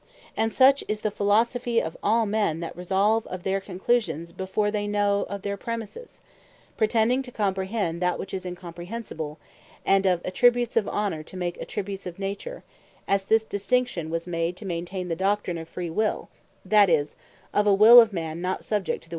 And such is the Philosophy of all men that resolve of their Conclusions, before they know their Premises; pretending to comprehend, that which is Incomprehensible; and of Attributes of Honour to make Attributes of Nature; as this distinction was made to maintain the Doctrine of Free Will, that is, of a Will of man, not subject to the Will of God.